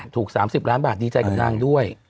ถูก๓๐ล้านบาทดีใจกับนางด้วย